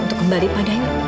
untuk kembali padanya